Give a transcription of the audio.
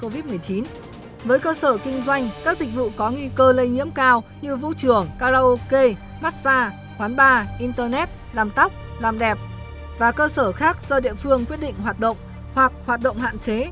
với cơ sở kinh doanh các dịch vụ có nghi cơ lây nhiễm cao như vũ trường karaoke massage quán bar internet làm tóc làm đẹp và cơ sở khác do địa phương quyết định hoạt động hoặc hoạt động hạn chế